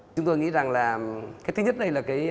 chúng tôi nghĩ rằng là cái thứ nhất đây là cái